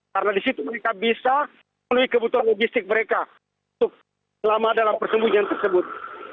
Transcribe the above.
karena di situ mereka bisa melalui kebutuhan logistik mereka selama dalam persembunyian tersebut